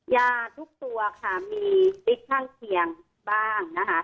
ยาทุกตัวมีฤทธิ์ข้างเคียงบ้าง